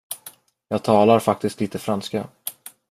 Jag talar faktiskt lite franska.